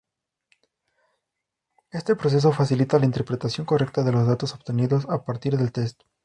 Este proceso facilita la interpretación correcta de los datos obtenidos a partir del test.